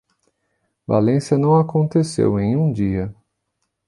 Valência não aconteceu em um dia.